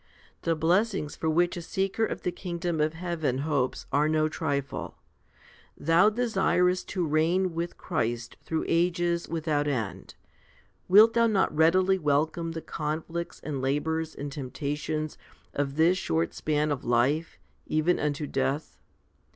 The blessings for which a seeker of the kingdom of heaven hopes are no trifle. Thou desirest to reign with Christ through ages without end; wilt thou not readily welcome the conflicts and labours and temptations of this short span of life, even unto death?